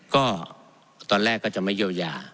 ก็ตอนแรกก็จะไม่เยียวยา